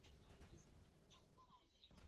胭脂红是一般用语为一特别深红色颜色。